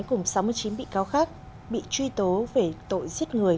cùng sáu mươi chín bị cáo khác bị truy tố về tội giết người